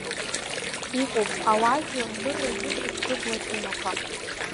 Иҟоуп, ауаажәлар рдырра зырхыџхыџуа атемақәа.